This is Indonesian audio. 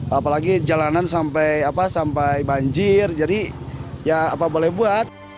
apalagi jalanan sampai banjir jadi ya apa boleh buat